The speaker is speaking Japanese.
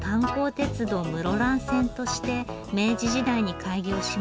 鉄道室蘭線として明治時代に開業しました。